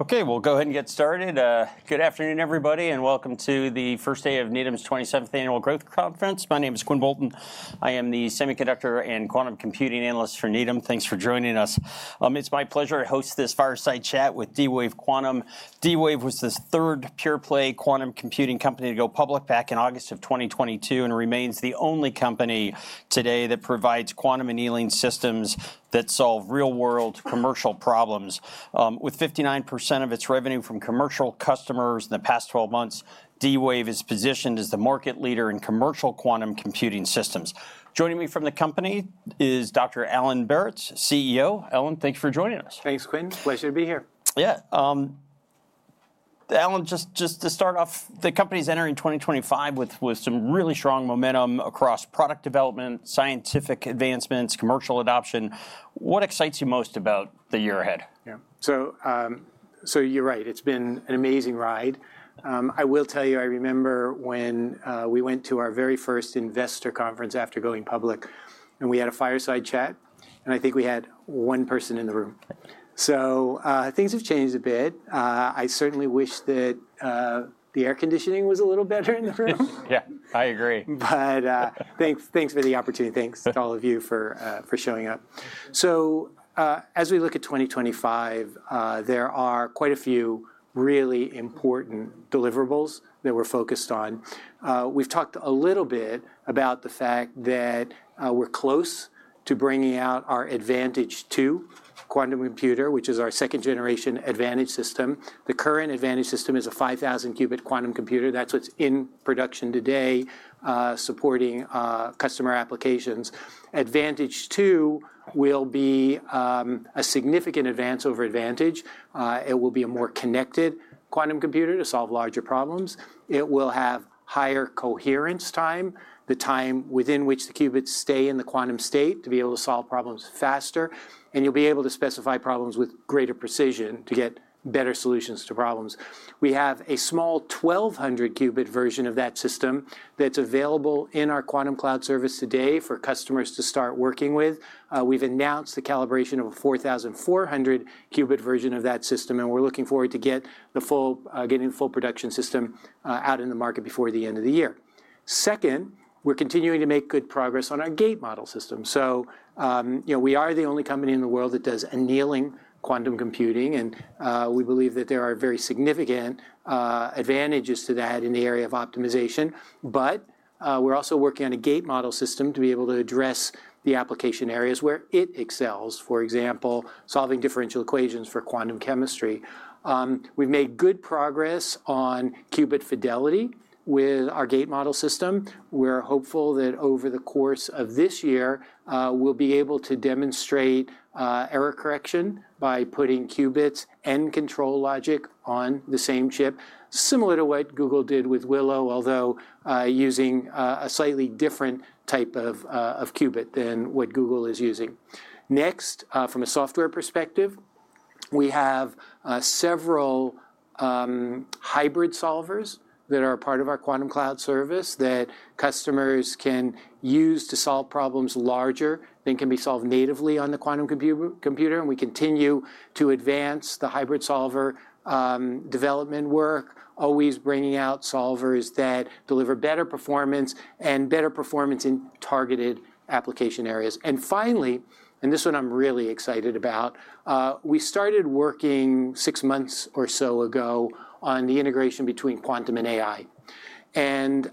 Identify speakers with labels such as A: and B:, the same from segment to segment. A: Okay, we'll go ahead and get started. Good afternoon, everybody, and welcome to the first day of Needham's 27th Annual Growth Conference. My name is Quinn Bolton. I am the Semiconductor and Quantum Computing Analyst for Needham. Thanks for joining us. It's my pleasure to host this fireside chat with D-Wave Quantum. D-Wave was the third pure-play quantum computing company to go public back in August of 2022 and remains the only company today that provides quantum annealing systems that solve real-world commercial problems. With 59% of its revenue from commercial customers in the past 12 months, D-Wave is positioned as the market leader in commercial quantum computing systems. Joining me from the company is Dr. Alan Baratz, CEO. Alan, thanks for joining us.
B: Thanks, Quinn. Pleasure to be here.
A: Yeah. Alan, just to start off, the company's entering 2025 with some really strong momentum across product development, scientific advancements, and commercial adoption. What excites you most about the year ahead?
B: Yeah, so you're right. It's been an amazing ride. I will tell you, I remember when we went to our very first investor conference after going public, and we had a fireside chat, and I think we had one person in the room. So things have changed a bit. I certainly wish that the air conditioning was a little better in the room.
A: Yeah, I agree.
B: But thanks for the opportunity. Thanks to all of you for showing up. So as we look at 2025, there are quite a few really important deliverables that we're focused on. We've talked a little bit about the fact that we're close to bringing out our Advantage 2 quantum computer, which is our second-generation Advantage system. The current Advantage system is a 5,000-qubit quantum computer. That's what's in production today, supporting customer applications. Advantage 2 will be a significant advance over Advantage. It will be a more connected quantum computer to solve larger problems. It will have higher coherence time, the time within which the qubits stay in the quantum state to be able to solve problems faster, and you'll be able to specify problems with greater precision to get better solutions to problems. We have a small 1,200-qubit version of that system that's available in our Quantum Cloud Service today for customers to start working with. We've announced the calibration of a 4,400-qubit version of that system, and we're looking forward to getting the full production system out in the market before the end of the year. Second, we're continuing to make good progress on our gate model system. So we are the only company in the world that does annealing quantum computing, and we believe that there are very significant advantages to that in the area of optimization. But we're also working on a gate model system to be able to address the application areas where it excels, for example, solving differential equations for quantum chemistry. We've made good progress on qubit fidelity with our gate model system. We're hopeful that over the course of this year, we'll be able to demonstrate error correction by putting qubits and control logic on the same chip, similar to what Google did with Willow, although using a slightly different type of qubit than what Google is using. Next, from a software perspective, we have several hybrid solvers that are a part of our Quantum Cloud service that customers can use to solve problems larger than can be solved natively on the quantum computer. And we continue to advance the hybrid solver development work, always bringing out solvers that deliver better performance and better performance in targeted application areas. And finally, and this one I'm really excited about, we started working six months or so ago on the integration between quantum and AI. And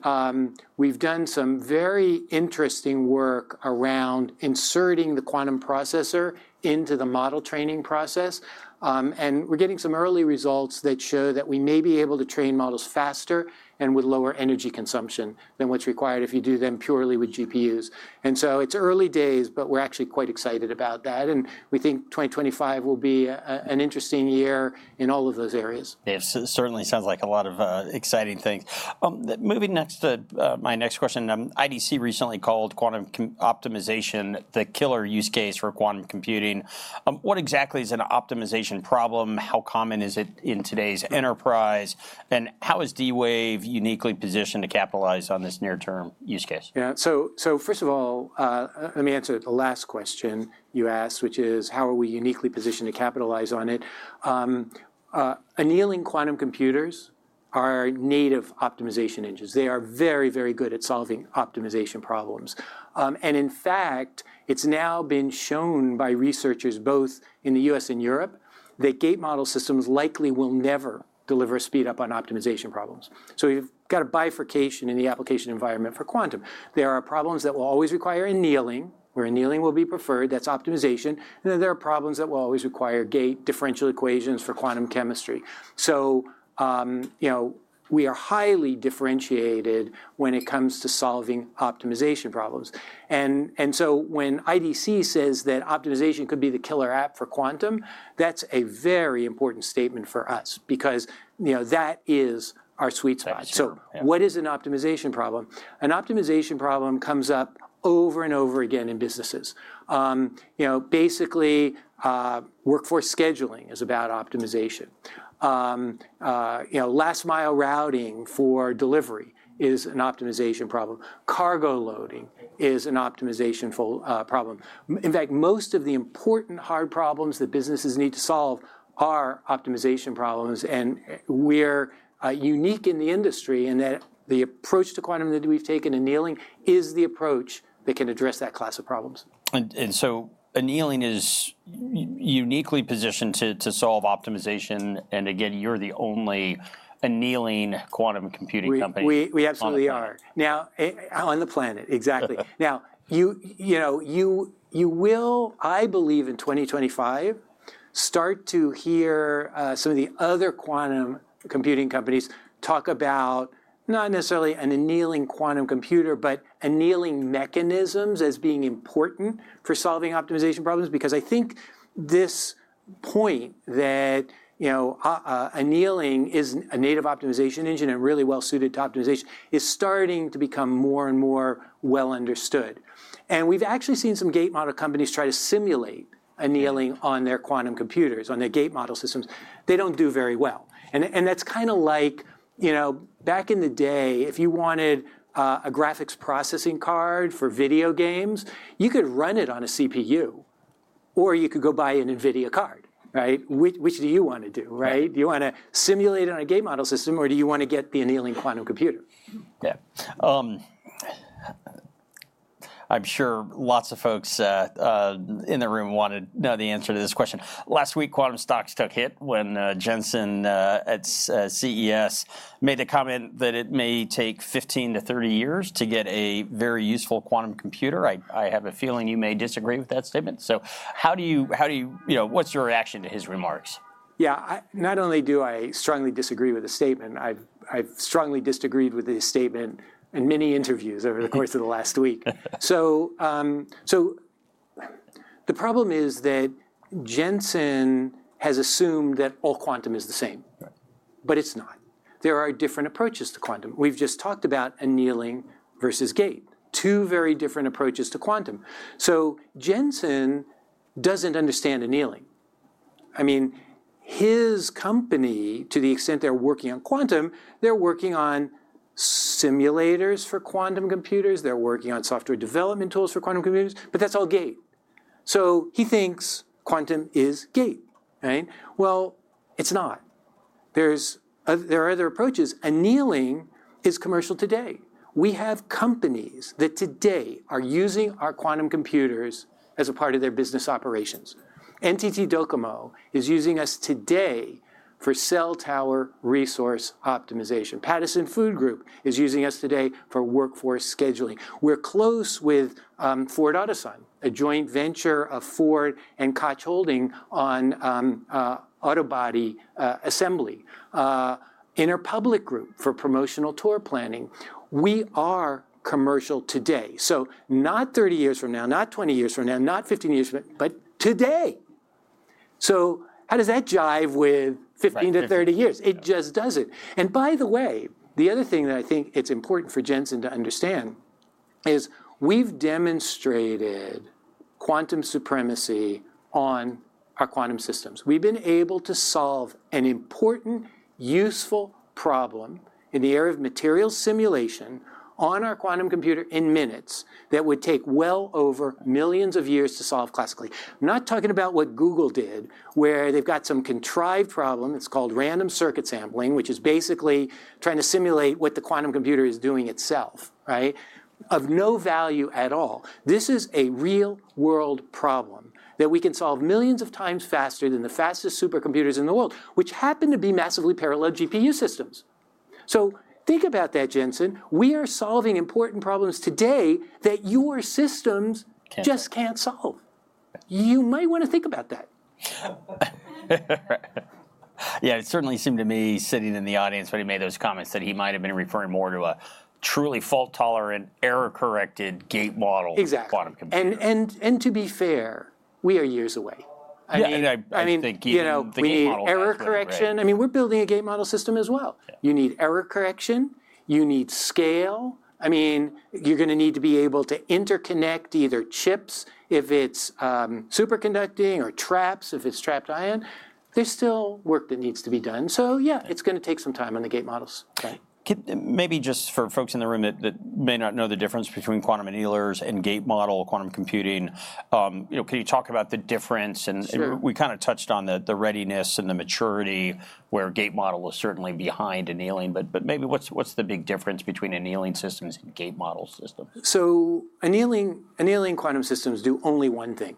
B: we've done some very interesting work around inserting the quantum processor into the model training process. And we're getting some early results that show that we may be able to train models faster and with lower energy consumption than what's required if you do them purely with GPUs. And so it's early days, but we're actually quite excited about that. And we think 2025 will be an interesting year in all of those areas.
A: Yes, it certainly sounds like a lot of exciting things. Moving next to my next question, IDC recently called quantum optimization the killer use case for quantum computing. What exactly is an optimization problem? How common is it in today's enterprise? And how is D-Wave uniquely positioned to capitalize on this near-term use case?
B: Yeah, so first of all, let me answer the last question you asked, which is, how are we uniquely positioned to capitalize on it? Annealing quantum computers are native optimization engines. They are very, very good at solving optimization problems. And in fact, it's now been shown by researchers both in the U.S. and Europe that gate model systems likely will never deliver speed up on optimization problems. So we've got a bifurcation in the application environment for quantum. There are problems that will always require annealing, where annealing will be preferred. That's optimization. And then there are problems that will always require gate differential equations for quantum chemistry. So we are highly differentiated when it comes to solving optimization problems. And so when IDC says that optimization could be the killer app for quantum, that's a very important statement for us because that is our sweet spot. So what is an optimization problem? An optimization problem comes up over and over again in businesses. Basically, workforce scheduling is about optimization. Last-mile routing for delivery is an optimization problem. Cargo loading is an optimization problem. In fact, most of the important hard problems that businesses need to solve are optimization problems. And we're unique in the industry in that the approach to quantum that we've taken, annealing, is the approach that can address that class of problems.
A: And so annealing is uniquely positioned to solve optimization. And again, you're the only annealing quantum computing company.
B: We absolutely are. Now, on the planet, exactly. Now, you will, I believe, in 2025, start to hear some of the other quantum computing companies talk about not necessarily an annealing quantum computer, but annealing mechanisms as being important for solving optimization problems. Because I think this point that annealing is a native optimization engine and really well-suited to optimization is starting to become more and more well understood. And we've actually seen some gate model companies try to simulate annealing on their quantum computers, on their gate model systems. They don't do very well. And that's kind of like back in the day, if you wanted a graphics processing card for video games, you could run it on a CPU, or you could go buy an NVIDIA card. Which do you want to do? Do you want to simulate it on a gate model system, or do you want to get the annealing quantum computer?
A: Yeah. I'm sure lots of folks in the room want to know the answer to this question. Last week, quantum stocks took hit when Jensen at CES made a comment that it may take 15-30 years to get a very useful quantum computer. I have a feeling you may disagree with that statement. So how do you, what's your reaction to his remarks?
B: Yeah, not only do I strongly disagree with the statement, I've strongly disagreed with his statement in many interviews over the course of the last week. So the problem is that Jensen has assumed that all quantum is the same, but it's not. There are different approaches to quantum. We've just talked about annealing versus gate, two very different approaches to quantum. So Jensen doesn't understand annealing. I mean, his company, to the extent they're working on quantum, they're working on simulators for quantum computers. They're working on software development tools for quantum computers, but that's all gate. So he thinks quantum is gate. Well, it's not. There are other approaches. Annealing is commercial today. We have companies that today are using our quantum computers as a part of their business operations. NTT DOCOMO is using us today for cell tower resource optimization. Pattison Food Group is using us today for workforce scheduling. We're close with Ford Otosan, a joint venture of Ford and Koç Holding on autobody assembly. Interpublic Group for promotional tour planning. We are commercial today. So not 30 years from now, not 20 years from now, not 15 years from now, but today. So how does that jive with 15-30 years? It just doesn't. And by the way, the other thing that I think it's important for Jensen to understand is we've demonstrated quantum supremacy on our quantum systems. We've been able to solve an important, useful problem in the area of material simulation on our quantum computer in minutes that would take well over millions of years to solve classically. I'm not talking about what Google did, where they've got some contrived problem. It's called Random Circuit Sampling, which is basically trying to simulate what the quantum computer is doing itself, of no value at all. This is a real-world problem that we can solve millions of times faster than the fastest supercomputers in the world, which happen to be massively parallel GPU systems. So think about that, Jensen. We are solving important problems today that your systems just can't solve. You might want to think about that.
A: Yeah, it certainly seemed to me sitting in the audience when he made those comments that he might have been referring more to a truly fault-tolerant, error-corrected gate model quantum computer.
B: Exactly. And to be fair, we are years away. I mean, we need error correction. I mean, we're building a gate model system as well. You need error correction. You need scale. I mean, you're going to need to be able to interconnect either chips if it's superconducting or traps if it's trapped ion. There's still work that needs to be done. So yeah, it's going to take some time on the gate models.
A: Maybe just for folks in the room that may not know the difference between quantum annealers and gate model quantum computing, can you talk about the difference? And we kind of touched on the readiness and the maturity where gate model is certainly behind annealing, but maybe what's the big difference between annealing systems and gate model systems?
B: Annealing quantum systems do only one thing.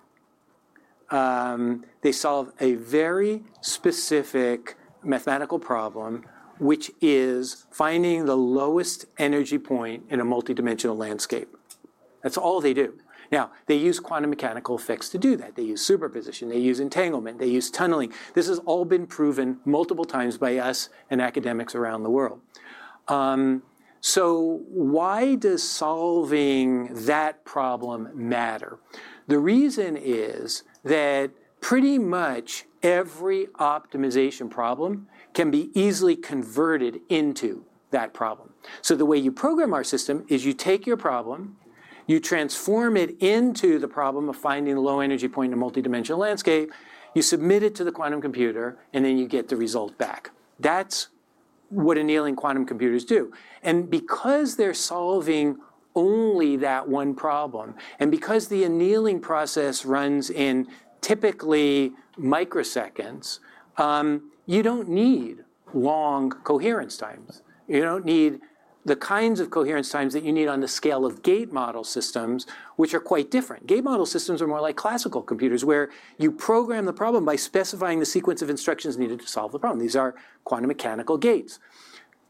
B: They solve a very specific mathematical problem, which is finding the lowest energy point in a multidimensional landscape. That's all they do. Now, they use quantum mechanical effects to do that. They use superposition. They use entanglement. They use tunneling. This has all been proven multiple times by us and academics around the world. Why does solving that problem matter? The reason is that pretty much every optimization problem can be easily converted into that problem. The way you program our system is you take your problem, you transform it into the problem of finding the low energy point in a multidimensional landscape, you submit it to the quantum computer, and then you get the result back. That's what annealing quantum computers do. Because they're solving only that one problem, and because the annealing process runs in typically microseconds, you don't need long coherence times. You don't need the kinds of coherence times that you need on the scale of gate model systems, which are quite different. Gate model systems are more like classical computers where you program the problem by specifying the sequence of instructions needed to solve the problem. These are quantum mechanical gates.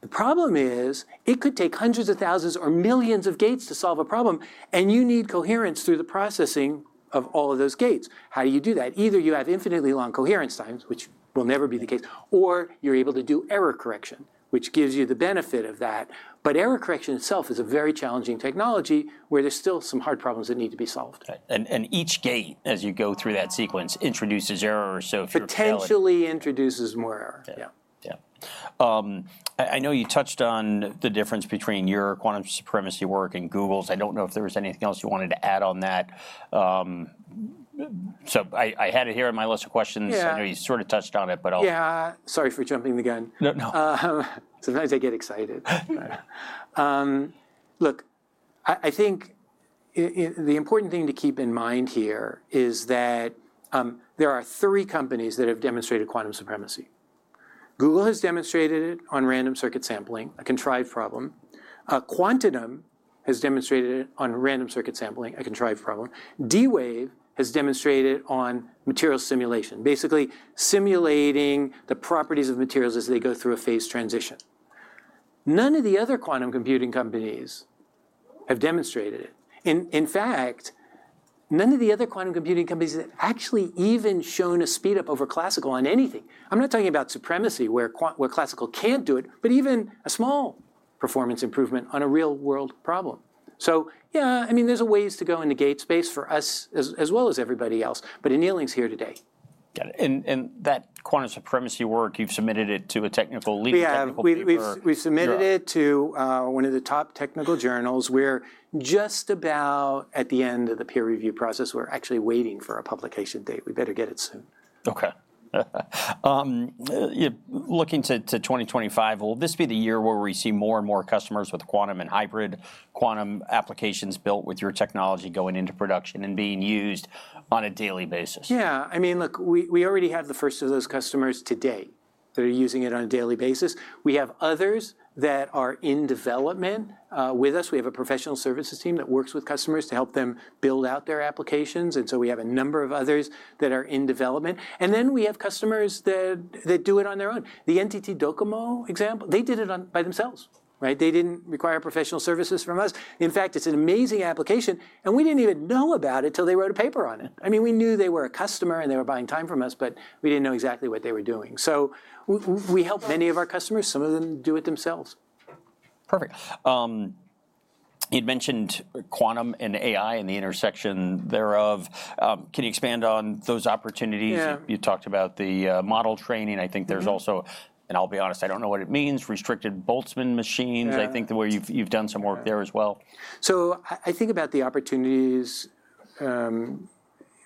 B: The problem is it could take hundreds of thousands or millions of gates to solve a problem, and you need coherence through the processing of all of those gates. How do you do that? Either you have infinitely long coherence times, which will never be the case, or you're able to do error correction, which gives you the benefit of that. But error correction itself is a very challenging technology where there's still some hard problems that need to be solved.
A: Each gate, as you go through that sequence, introduces errors.
B: Potentially introduces more error.
A: Yeah. I know you touched on the difference between your quantum supremacy work and Google's. I don't know if there was anything else you wanted to add on that. So I had it here on my list of questions. I know you sort of touched on it, but.
B: Yeah, sorry for jumping the gun. Sometimes I get excited. Look, I think the important thing to keep in mind here is that there are three companies that have demonstrated quantum supremacy. Google has demonstrated it on random circuit sampling, a contrived problem. Quantinuum has demonstrated it on random circuit sampling, a contrived problem. D-Wave has demonstrated it on material simulation, basically simulating the properties of materials as they go through a phase transition. None of the other quantum computing companies have demonstrated it. In fact, none of the other quantum computing companies have actually even shown a speed up over classical on anything. I'm not talking about supremacy where classical can't do it, but even a small performance improvement on a real-world problem. So yeah, I mean, there's a ways to go in the gate space for us as well as everybody else, but annealing's here today.
A: Got it. And that quantum supremacy work, you've submitted it to a technical league of technical computers.
B: Yeah, we submitted it to one of the top technical journals. We're just about at the end of the peer review process. We're actually waiting for a publication date. We better get it soon.
A: Okay. Looking to 2025, will this be the year where we see more and more customers with quantum and hybrid quantum applications built with your technology going into production and being used on a daily basis?
B: Yeah. I mean, look, we already have the first of those customers today that are using it on a daily basis. We have others that are in development with us. We have a professional services team that works with customers to help them build out their applications. And so we have a number of others that are in development. And then we have customers that do it on their own. The NTT DOCOMO example, they did it by themselves. They didn't require professional services from us. In fact, it's an amazing application. And we didn't even know about it until they wrote a paper on it. I mean, we knew they were a customer and they were buying time from us, but we didn't know exactly what they were doing. So we help many of our customers. Some of them do it themselves.
A: Perfect. You'd mentioned quantum and AI and the intersection thereof. Can you expand on those opportunities? You talked about the model training. I think there's also, and I'll be honest, I don't know what it means, restricted Boltzmann machines. I think that where you've done some work there as well.
B: So I think about the opportunities for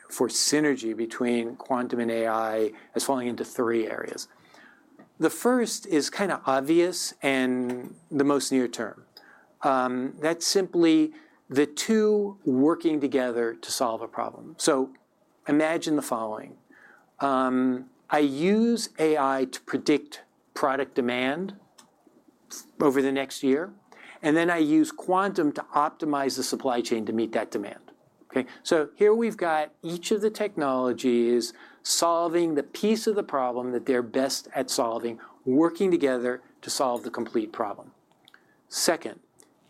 B: synergy between quantum and AI as falling into three areas. The first is kind of obvious and the most near term. That's simply the two working together to solve a problem. So imagine the following. I use AI to predict product demand over the next year, and then I use quantum to optimize the supply chain to meet that demand. So here we've got each of the technologies solving the piece of the problem that they're best at solving, working together to solve the complete problem. Second,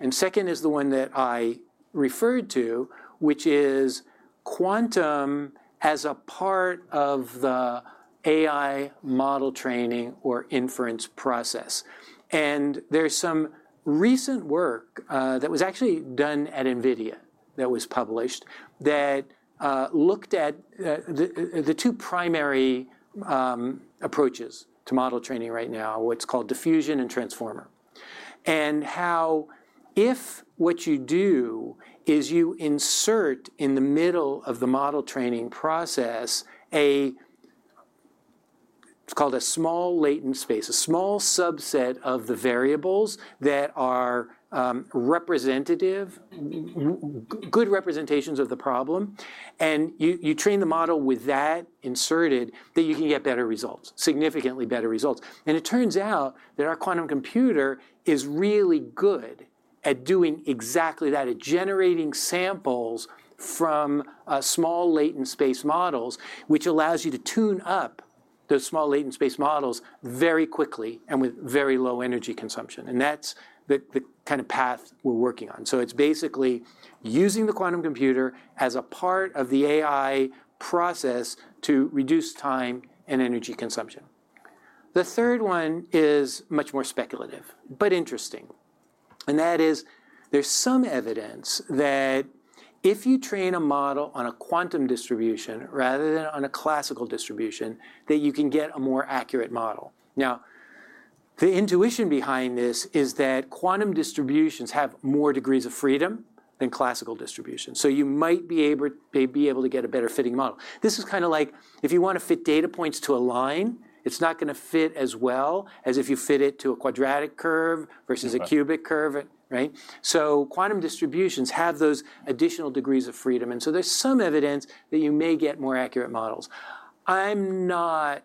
B: and second is the one that I referred to, which is quantum as a part of the AI model training or inference process. And there's some recent work that was actually done at NVIDIA that was published that looked at the two primary approaches to model training right now, what's called diffusion and transformer, and how if what you do is you insert in the middle of the model training process a, it's called a small latent space, a small subset of the variables that are representative, good representations of the problem, and you train the model with that inserted, then you can get better results, significantly better results. And it turns out that our quantum computer is really good at doing exactly that, at generating samples from small latent space models, which allows you to tune up those small latent space models very quickly and with very low energy consumption. And that's the kind of path we're working on. So it's basically using the quantum computer as a part of the AI process to reduce time and energy consumption. The third one is much more speculative, but interesting. And that is there's some evidence that if you train a model on a quantum distribution rather than on a classical distribution, that you can get a more accurate model. Now, the intuition behind this is that quantum distributions have more degrees of freedom than classical distributions. So you might be able to get a better fitting model. This is kind of like if you want to fit data points to a line, it's not going to fit as well as if you fit it to a quadratic curve versus a cubic curve. So quantum distributions have those additional degrees of freedom. And so there's some evidence that you may get more accurate models. I'm not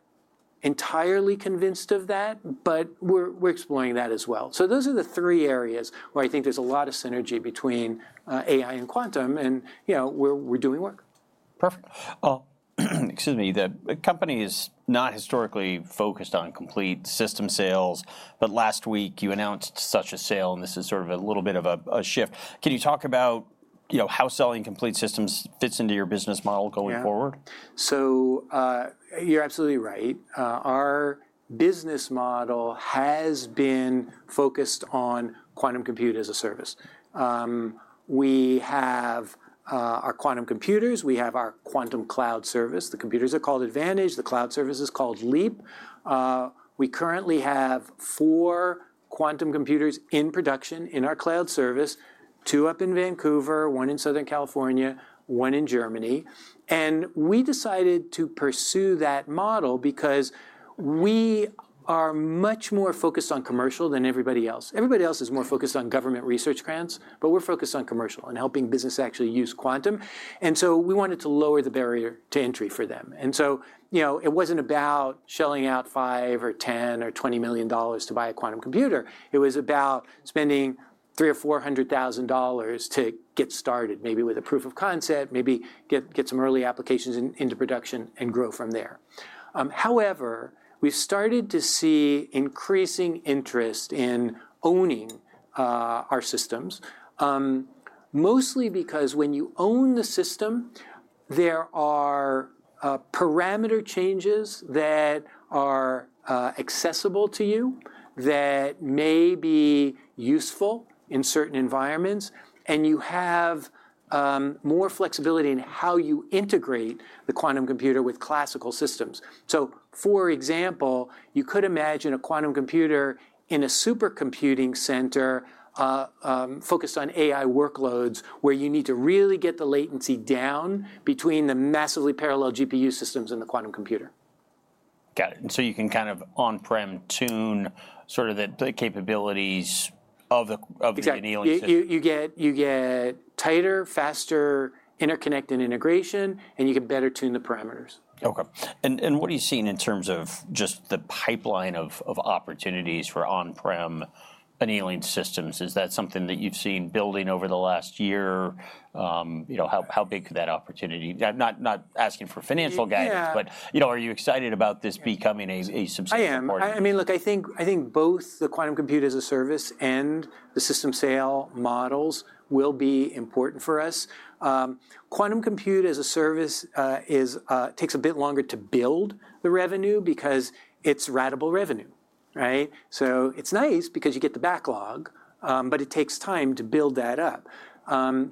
B: entirely convinced of that, but we're exploring that as well. So those are the three areas where I think there's a lot of synergy between AI and quantum, and we're doing work.
A: Perfect. Excuse me. The company is not historically focused on complete system sales, but last week you announced such a sale, and this is sort of a little bit of a shift. Can you talk about how selling complete systems fits into your business model going forward?
B: Yeah. So you're absolutely right. Our business model has been focused on quantum compute as a service. We have our quantum computers. We have our quantum cloud service. The computers are called Advantage. The cloud service is called Leap. We currently have four quantum computers in production in our cloud service, two up in Vancouver, one in Southern California, one in Germany. And we decided to pursue that model because we are much more focused on commercial than everybody else. Everybody else is more focused on government research grants, but we're focused on commercial and helping businesses actually use quantum. And so we wanted to lower the barrier to entry for them. And so it wasn't about shelling out $5 million or $10 million or $20 million to buy a quantum computer. It was about spending $300,000-$400,000 to get started, maybe with a proof of concept, maybe get some early applications into production and grow from there. However, we've started to see increasing interest in owning our systems, mostly because when you own the system, there are parameter changes that are accessible to you that may be useful in certain environments, and you have more flexibility in how you integrate the quantum computer with classical systems. So for example, you could imagine a quantum computer in a supercomputing center focused on AI workloads where you need to really get the latency down between the massively parallel GPU systems and the quantum computer.
A: Got it, and so you can kind of on-prem tune sort of the capabilities of the annealing system.
B: You get tighter, faster interconnect and integration, and you can better tune the parameters.
A: Okay. And what are you seeing in terms of just the pipeline of opportunities for on-prem annealing systems? Is that something that you've seen building over the last year? How big could that opportunity be? I'm not asking for financial guidance, but are you excited about this becoming a substantial part?
B: I mean, look, I think both the quantum compute as a service and the system sale models will be important for us. Quantum compute as a service takes a bit longer to build the revenue because it's ratable revenue. So it's nice because you get the backlog, but it takes time to build that up.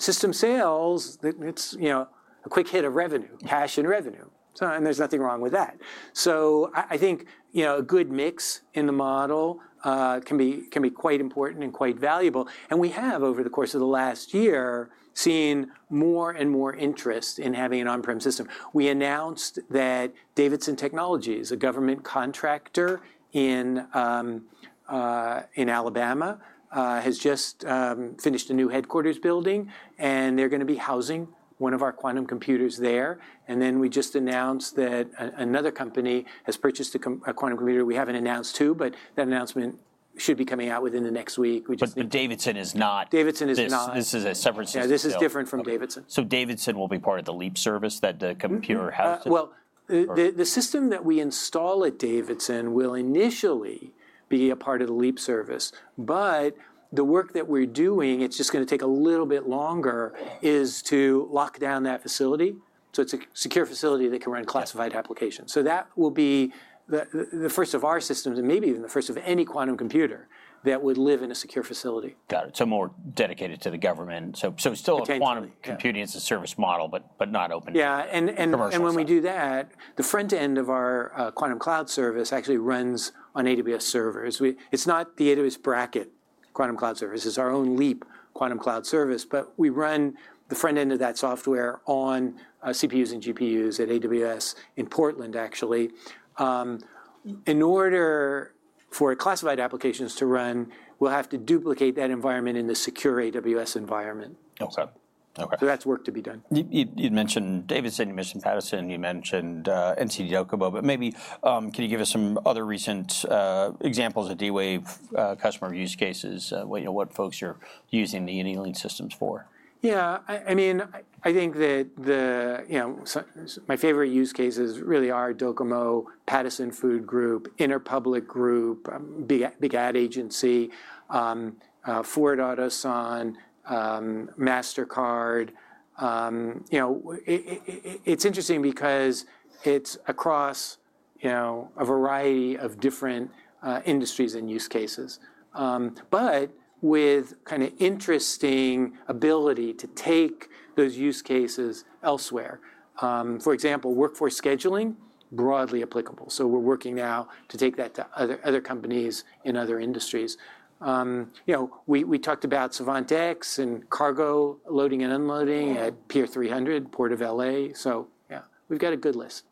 B: System sales, it's a quick hit of revenue, cash and revenue. And there's nothing wrong with that. So I think a good mix in the model can be quite important and quite valuable. And we have, over the course of the last year, seen more and more interest in having an on-prem system. We announced that Davidson Technologies, a government contractor in Alabama, has just finished a new headquarters building, and they're going to be housing one of our quantum computers there. And then we just announced that another company has purchased a quantum computer. We haven't announced two, but that announcement should be coming out within the next week.
A: But Davidson is not.
B: Davidson is not.
A: This is a separate system.
B: Yeah, this is different from Davidson.
A: So Davidson will be part of the Leap service that the computer has to.
B: The system that we install at Davidson will initially be a part of the Leap service. The work that we're doing, it's just going to take a little bit longer, is to lock down that facility. It's a secure facility that can run classified applications. That will be the first of our systems and maybe even the first of any quantum computer that would live in a secure facility.
A: Got it. So more dedicated to the government. So still a quantum computing as a service model, but not open commercial.
B: Yeah, and when we do that, the front end of our quantum cloud service actually runs on AWS servers. It's not the Amazon Braket quantum cloud service. It's our own Leap quantum cloud service, but we run the front end of that software on CPUs and GPUs at AWS in Portland, actually. In order for classified applications to run, we'll have to duplicate that environment in the secure AWS environment, so that's work to be done.
A: You'd mentioned Davidson. You mentioned Pattison. You mentioned NTT DOCOMO. But maybe can you give us some other recent examples of D-Wave customer use cases, what folks are using the annealing systems for?
B: Yeah. I mean, I think that my favorite use cases really are Docomo, Pattison Food Group, Interpublic Group, Big Ad Agency, Ford Otosan, Mastercard. It's interesting because it's across a variety of different industries and use cases, but with kind of interesting ability to take those use cases elsewhere. For example, workforce scheduling, broadly applicable. So we're working now to take that to other companies in other industries. We talked about SavantX and cargo loading and unloading at Pier 300, Port of LA. So yeah, we've got a good list.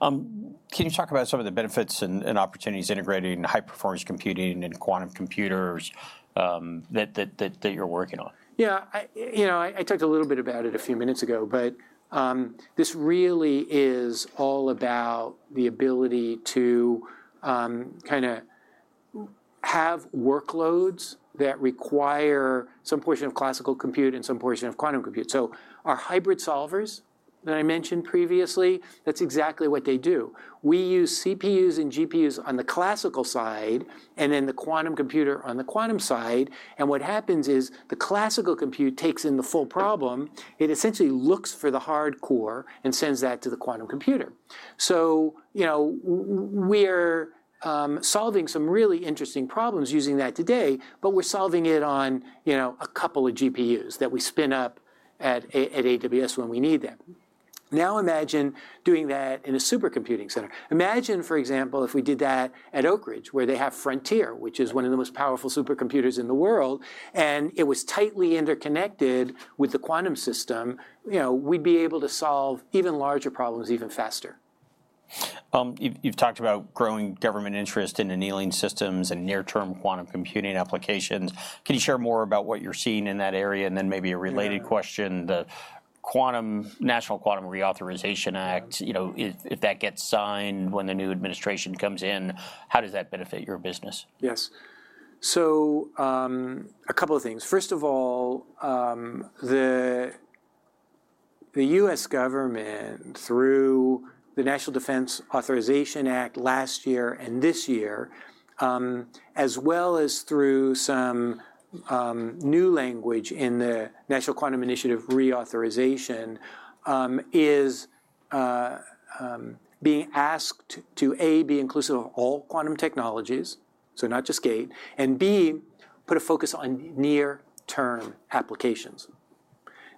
A: Can you talk about some of the benefits and opportunities integrating high-performance computing and quantum computers that you're working on?
B: Yeah. I talked a little bit about it a few minutes ago, but this really is all about the ability to kind of have workloads that require some portion of classical compute and some portion of quantum compute. So our hybrid solvers that I mentioned previously, that's exactly what they do. We use CPUs and GPUs on the classical side and then the quantum computer on the quantum side. And what happens is the classical compute takes in the full problem. It essentially looks for the hardcore and sends that to the quantum computer. So we're solving some really interesting problems using that today, but we're solving it on a couple of GPUs that we spin up at AWS when we need them. Now imagine doing that in a supercomputing center. Imagine, for example, if we did that at Oak Ridge, where they have Frontier, which is one of the most powerful supercomputers in the world, and it was tightly interconnected with the quantum system, we'd be able to solve even larger problems even faster.
A: You've talked about growing government interest in annealing systems and near-term quantum computing applications. Can you share more about what you're seeing in that area? And then maybe a related question, the National Quantum Initiative Reauthorization Act, if that gets signed when the new administration comes in, how does that benefit your business?
B: Yes. So a couple of things. First of all, the U.S. government, through the National Defense Authorization Act last year and this year, as well as through some new language in the National Quantum Initiative Reauthorization, is being asked to, A, be inclusive of all quantum technologies, so not just Gate, and, B, put a focus on near-term applications.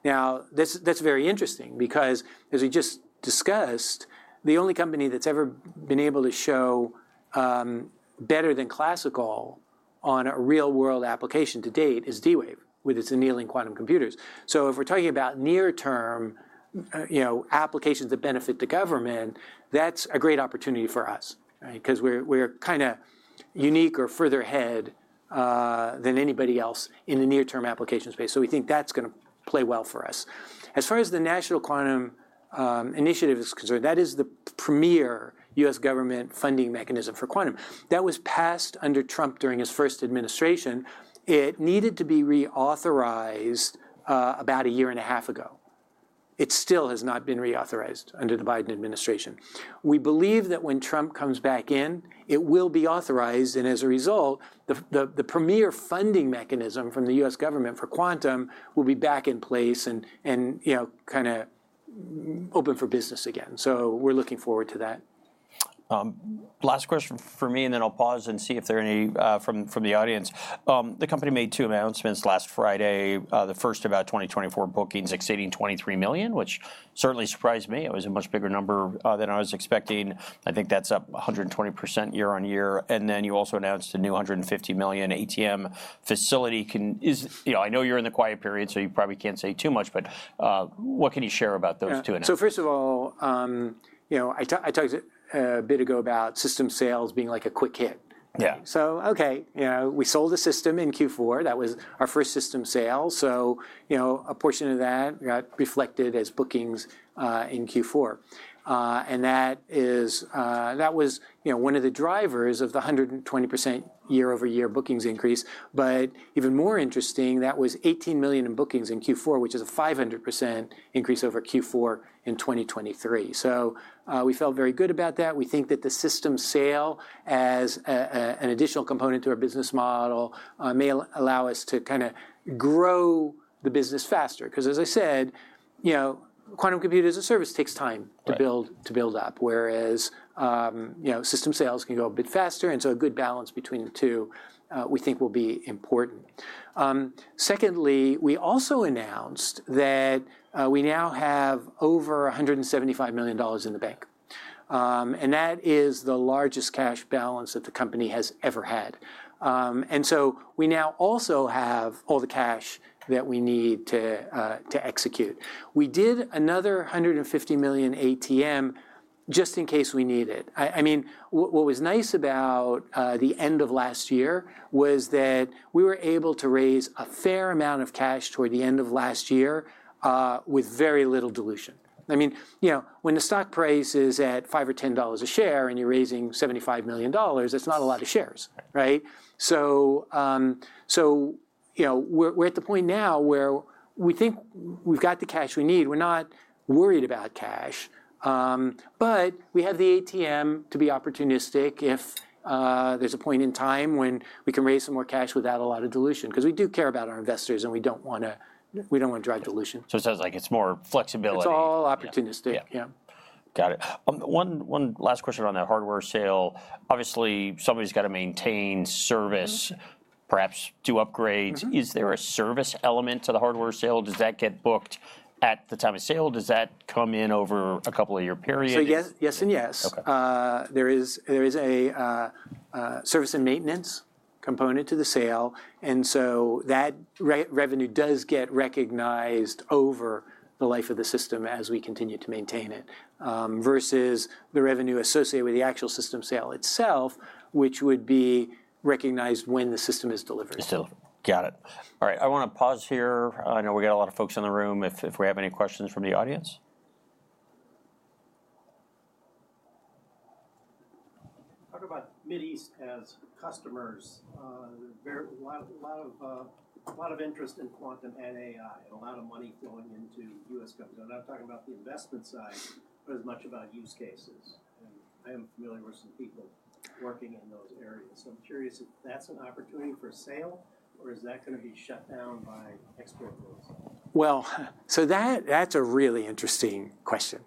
B: Now, that's very interesting because, as we just discussed, the only company that's ever been able to show better than classical on a real-world application to date is D-Wave with its annealing quantum computers. So if we're talking about near-term applications that benefit the government, that's a great opportunity for us because we're kind of unique or further ahead than anybody else in the near-term application space. So we think that's going to play well for us. As far as the National Quantum Initiative is concerned, that is the premier U.S. government funding mechanism for quantum. That was passed under Trump during his first administration. It needed to be reauthorized about a year and a half ago. It still has not been reauthorized under the Biden administration. We believe that when Trump comes back in, it will be authorized. And as a result, the premier funding mechanism from the U.S. government for quantum will be back in place and kind of open for business again. So we're looking forward to that.
A: Last question for me, and then I'll pause and see if there are any from the audience. The company made two announcements last Friday. The first about 2024 bookings exceeding $23 million, which certainly surprised me. It was a much bigger number than I was expecting. I think that's up 120% year on year. And then you also announced a new $150 million ATM facility. I know you're in the quiet period, so you probably can't say too much, but what can you share about those two announcements?
B: So first of all, I talked a bit ago about system sales being like a quick hit. So okay, we sold a system in Q4. That was our first system sale. So a portion of that got reflected as bookings in Q4. And that was one of the drivers of the 120% year-over-year bookings increase. But even more interesting, that was $18 million in bookings in Q4, which is a 500% increase over Q4 in 2023. So we felt very good about that. We think that the system sale as an additional component to our business model may allow us to kind of grow the business faster because, as I said, quantum computers as a service takes time to build up, whereas system sales can go a bit faster. And so a good balance between the two, we think, will be important. Secondly, we also announced that we now have over $175 million in the bank. And that is the largest cash balance that the company has ever had. And so we now also have all the cash that we need to execute. We did another $150 million ATM just in case we need it. I mean, what was nice about the end of last year was that we were able to raise a fair amount of cash toward the end of last year with very little dilution. I mean, when the stock price is at five or ten dollars a share and you're raising $75 million, that's not a lot of shares. So we're at the point now where we think we've got the cash we need. We're not worried about cash, but we have the ATM to be opportunistic if there's a point in time when we can raise some more cash without a lot of dilution because we do care about our investors and we don't want to drive dilution.
A: It sounds like it's more flexibility.
B: It's all opportunistic. Yeah.
A: Got it. One last question around that hardware sale. Obviously, somebody's got to maintain service, perhaps do upgrades. Is there a service element to the hardware sale? Does that get booked at the time of sale? Does that come in over a couple of year periods?
B: Yes and yes. There is a service and maintenance component to the sale. And so that revenue does get recognized over the life of the system as we continue to maintain it versus the revenue associated with the actual system sale itself, which would be recognized when the system is delivered.
A: Got it. All right. I want to pause here. I know we got a lot of folks in the room. If we have any questions from the audience? Talk about Mideast as customers. A lot of interest in quantum and AI and a lot of money flowing into U.S. companies. I'm not talking about the investment side, but as much about use cases, and I am familiar with some people working in those areas, so I'm curious if that's an opportunity for sales or is that going to be shut down by export controls?
B: That's a really interesting question.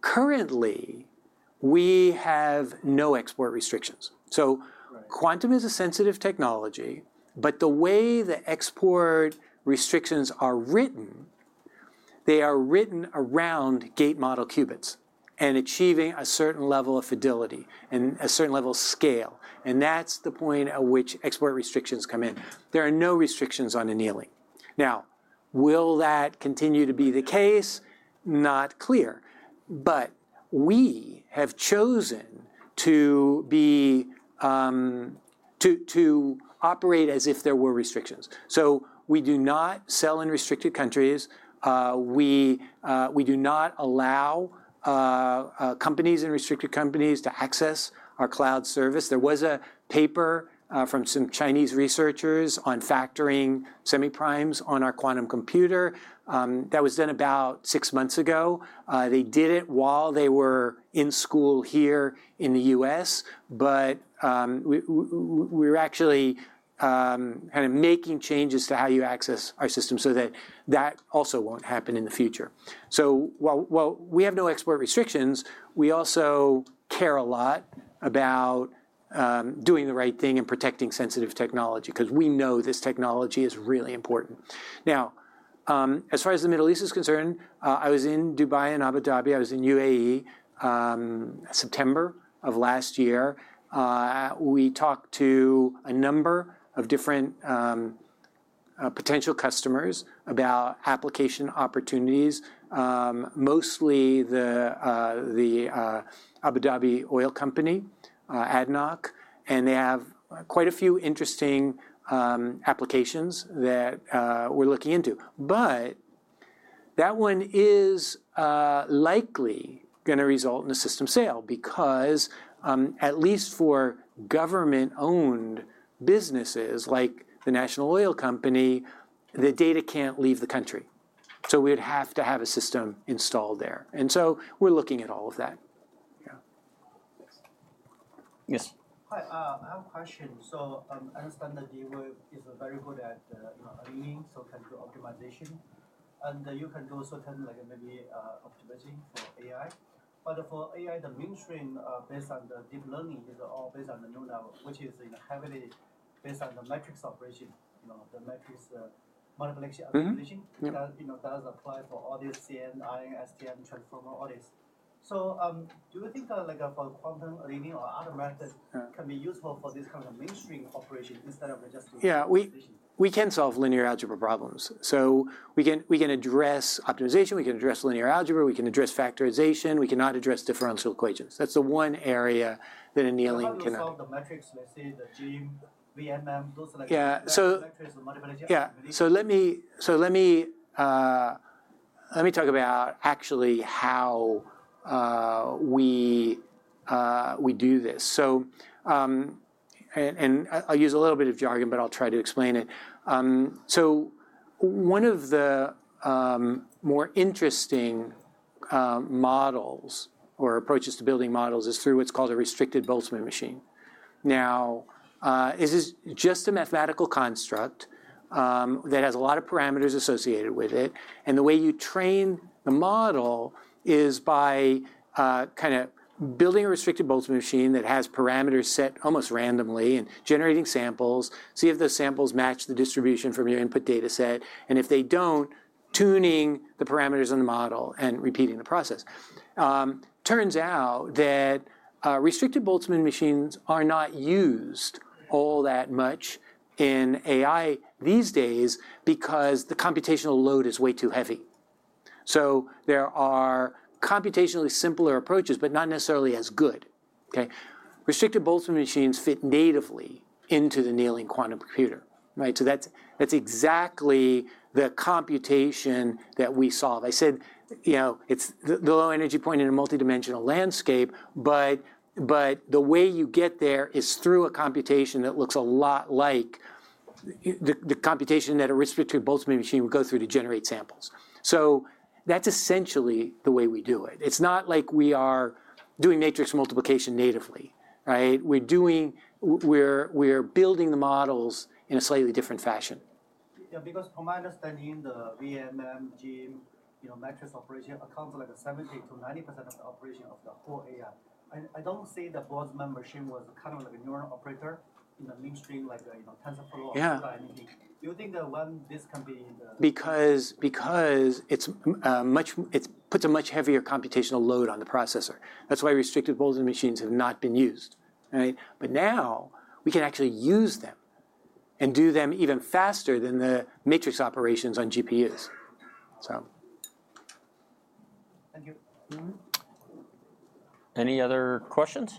B: Currently, we have no export restrictions. Quantum is a sensitive technology, but the way the export restrictions are written, they are written around gate model qubits and achieving a certain level of fidelity and a certain level of scale. That's the point at which export restrictions come in. There are no restrictions on annealing. Will that continue to be the case? Not clear. We have chosen to operate as if there were restrictions. We do not sell in restricted countries. We do not allow companies in restricted countries to access our cloud service. There was a paper from some Chinese researchers on factoring semiprimes on our quantum computer. That was done about six months ago. They did it while they were in school here in the U.S. But we're actually kind of making changes to how you access our system so that that also won't happen in the future. So while we have no export restrictions, we also care a lot about doing the right thing and protecting sensitive technology because we know this technology is really important. Now, as far as the Middle East is concerned, I was in Dubai and Abu Dhabi. I was in UAE September of last year. We talked to a number of different potential customers about application opportunities, mostly the Abu Dhabi National Oil Company, ADNOC. And they have quite a few interesting applications that we're looking into. But that one is likely going to result in a system sale because, at least for government-owned businesses like the national oil company, the data can't leave the country. So we would have to have a system installed there. And so we're looking at all of that. Yeah.
A: Yes. Hi. I have a question. So I understand that D-Wave is very good at annealing, so can do optimization. And you can do certain maybe optimizing for AI. But for AI, the mainstream based on the deep learning is all based on the neural nets, which is heavily based on the matrix operations, the matrix multiplication operations. That does apply for all these CNN, RNN, LSTM, transformer all these. So do you think for quantum annealing or other methods can be useful for this kind of mainstream operation instead of just optimization?
B: Yeah. We can solve linear algebra problems. So we can address optimization. We can address linear algebra. We can address factorization. We cannot address differential equations. That's the one area that annealing can. How do we solve the matrices, let's say the GEMM, VMM, those like? Yeah, so let me talk about actually how we do this, and I'll use a little bit of jargon, but I'll try to explain it. So one of the more interesting models or approaches to building models is through what's called a restricted Boltzmann machine. Now, this is just a mathematical construct that has a lot of parameters associated with it, and the way you train the model is by kind of building a restricted Boltzmann machine that has parameters set almost randomly and generating samples, see if those samples match the distribution from your input dataset. And if they don't, tuning the parameters in the model and repeating the process. Turns out that restricted Boltzmann machines are not used all that much in AI these days because the computational load is way too heavy, so there are computationally simpler approaches, but not necessarily as good. Restricted Boltzmann machines fit natively into the annealing quantum computer. So that's exactly the computation that we solve. I said it's the low energy point in a multidimensional landscape, but the way you get there is through a computation that looks a lot like the computation that a restricted Boltzmann machine would go through to generate samples. So that's essentially the way we do it. It's not like we are doing matrix multiplication natively. We're building the models in a slightly different fashion. Because from my understanding, the VMM, GEMM, matrix operation accounts like 70%-90% of the operation of the whole AI. I don't see the Boltzmann machine was kind of like a neural operator in the mainstream, like TensorFlow or anything. Do you think that one this can be in the? Because it puts a much heavier computational load on the processor. That's why restricted Boltzmann machines have not been used. But now we can actually use them and do them even faster than the matrix operations on GPUs. Thank you.
A: Any other questions?